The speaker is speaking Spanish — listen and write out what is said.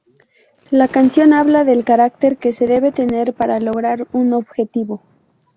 La canción habla del carácter que se debe tener para lograr un objetivo.